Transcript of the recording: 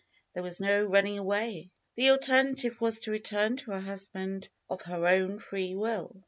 There was no use running away. The alternative was to return to her husband of her own free will.